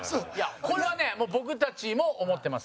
これはね、僕たちも思ってます。